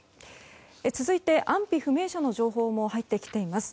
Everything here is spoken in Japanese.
続いて、安否不明者の情報も入ってきています。